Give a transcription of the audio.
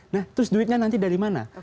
nah terus duitnya nanti dari mana